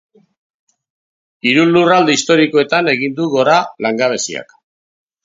Hiru lurralde historikoetan egin du gora langabeziak.